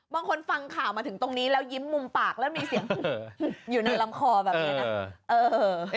ฟังข่าวมาถึงตรงนี้แล้วยิ้มมุมปากแล้วมีเสียงอยู่ในลำคอแบบนี้นะ